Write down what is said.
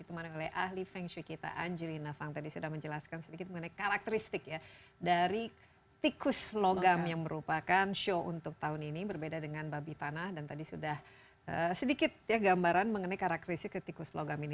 tadi kita sedikit mengenai karakteristik ya dari tikus logam yang merupakan show untuk tahun ini berbeda dengan babi tanah dan tadi sudah sedikit ya gambaran mengenai karakteristik tikus logam ini